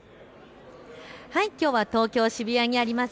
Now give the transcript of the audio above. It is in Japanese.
きょうは東京渋谷にあります